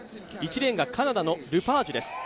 １レーンがカナダのルパージュです。